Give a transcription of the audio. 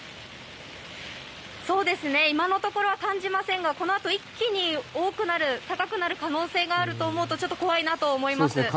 今のところは感じませんがこのあと一気に高くなる可能性があると思うとちょっと怖いなと思います。